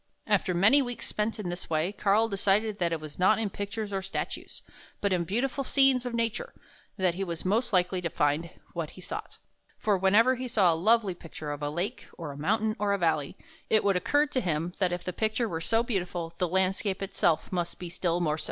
After many weeks spent in this way, Karl decided that it was not in pictures or statues, but in beautiful scenes of nature, that he was most likely to find what he sought. For whenever he saw a lovely picture of a lake, or a mountain, or a valley, it would occur to him that if the picture were so beautiful, the landscape itself must be still more so.